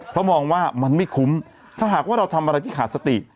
เพราะมองว่ามันไม่คุ้มถ้าหากว่าเราทำอะไรที่ขาดสติ